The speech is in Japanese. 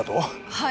はい。